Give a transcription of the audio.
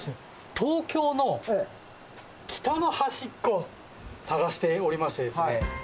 東京の北の端っこを探しておりましてですね。